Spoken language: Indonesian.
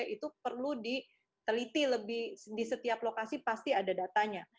itu perlu diteliti lebih di setiap lokasi pasti ada datanya